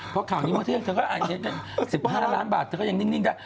เพราะข่าวนี้เมื่อเท่าไหร่เธอก็๑๕ล้านบาทยังดิ้งได้